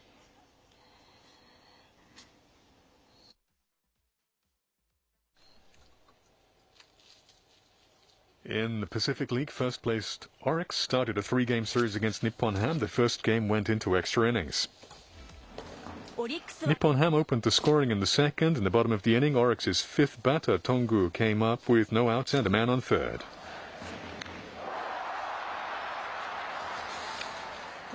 そうですね。